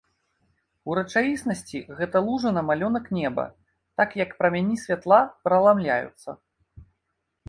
У рэчаіснасці гэта лужына малюнак неба, так як прамяні святла праламляюцца.